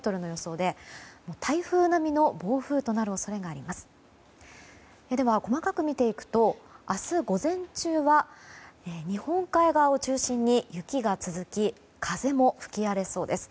では細かく見ていくと明日午前中は、日本海側を中心に雪が続き風も吹き荒れそうです。